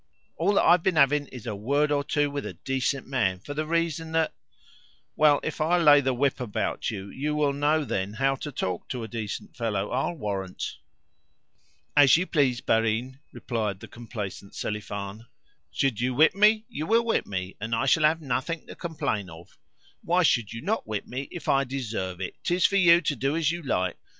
All that I have been having is a word or two with a decent man, for the reason that " "Well, if I lay the whip about you, you'll know then how to talk to a decent fellow, I'll warrant!" "As you please, barin," replied the complacent Selifan. "Should you whip me, you will whip me, and I shall have nothing to complain of. Why should you not whip me if I deserve it? 'Tis for you to do as you like.